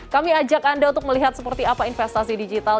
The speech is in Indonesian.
kami ajak anda untuk melihat seperti apa investasi digital